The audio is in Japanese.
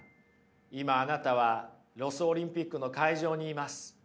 今あなたはロスオリンピックの会場にいます。